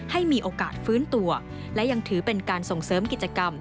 ให้มีโอกาสฟื้นตัวและยังถือเป็นการส่งเสริมกิจกรรม